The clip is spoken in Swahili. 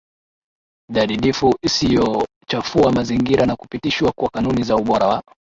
jadidifu isiyochafua mazingira na kupitishwa kwa kanuni za ubora wa